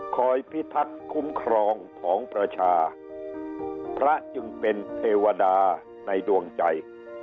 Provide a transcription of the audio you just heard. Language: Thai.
พิทักษ์คุ้มครองของประชาพระจึงเป็นเทวดาในดวงใจ